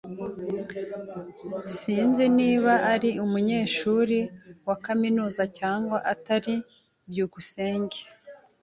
Sinzi niba ari umunyeshuri wa kaminuza cyangwa atari. byukusenge